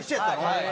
はい。